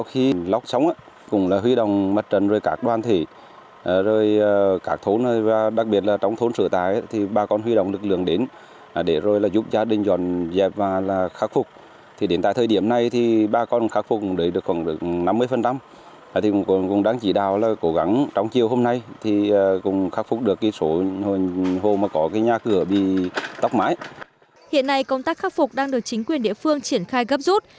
hiện nay công tác khắc phục đang được chính quyền địa phương triển khai gấp rút